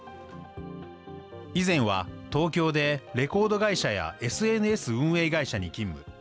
以前は東京でレコード会社やＳＮＳ運営会社に勤務。